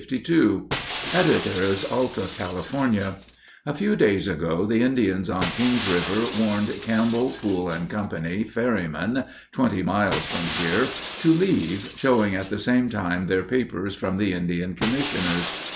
Editors Alta California:—A few days ago, the Indians on King's River warned Campbell, Poole & Co., ferrymen, twenty miles from here, to leave, showing at the same time their papers from the Indian Commissioners.